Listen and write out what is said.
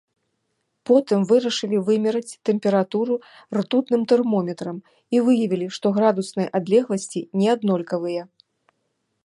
Потым вырашылі вымераць тэмпературу ртутным тэрмометрам і выявілі, што градусныя адлегласці не аднолькавыя.